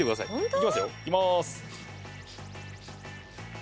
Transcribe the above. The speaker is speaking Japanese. いきまーす。